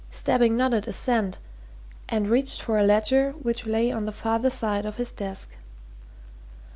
Stebbing nodded assent and reached for a ledger which lay on the farther side of his desk.